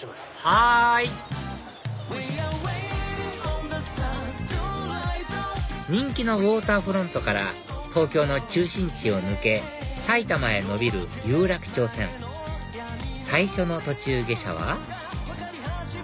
はい人気のウオーターフロントから東京の中心地を抜け埼玉へ延びる有楽町線最初の途中下車は？